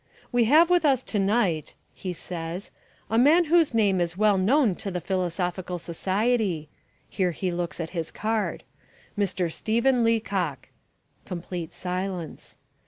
"We have with us to night," he says, "a man whose name is well known to the Philosophical Society" (here he looks at his card), "Mr. Stephen Leacock." (Complete silence.)